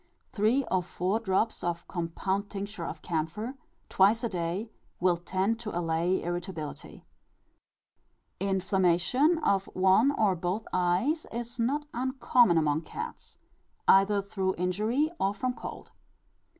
Three or four drops of compound tincture of camphor, twice a day, will tend to allay irritability. Inflammation of one or both eyes is not uncommon among cats, either through injury, or from cold.